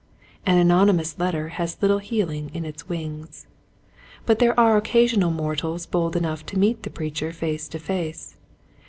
An anonymous letter has little healing in its wings. But there are occasional mortals bold enough to meet the preacher face to face.